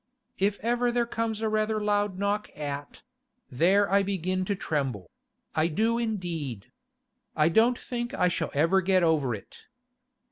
If ever there comes a rather loud knock at—there I begin to tremble; I do indeed. I don't think I shall ever get over it.